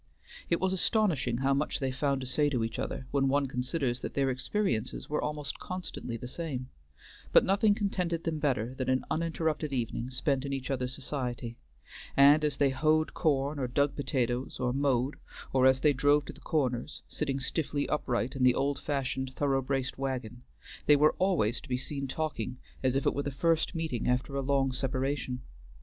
It was astonishing how much they found to say to each other when one considers that their experiences were almost constantly the same; but nothing contented them better than an uninterrupted evening spent in each other's society, and as they hoed corn or dug potatoes, or mowed, or as they drove to the Corners, sitting stiffly upright in the old fashioned thorough braced wagon, they were always to be seen talking as if it were the first meeting after a long separation.